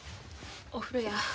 お風呂や。